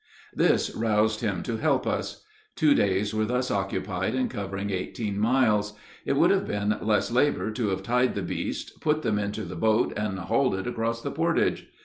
This roused him to help us. Two days were thus occupied in covering eighteen miles. It would have been less labor to have tied the beasts, put them into the boat, and hauled it across the portage.